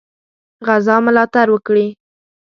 غزا ملاتړ وکړي.